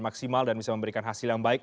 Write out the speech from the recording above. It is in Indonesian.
maksimal dan bisa memberikan hasil yang baik